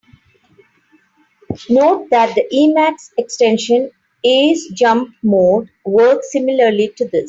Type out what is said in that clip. Note that the Emacs extension "Ace jump mode" works similarly to this.